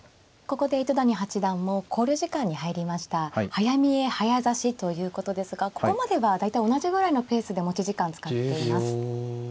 早見え早指しということですがここまでは大体同じぐらいのペースで持ち時間使っています。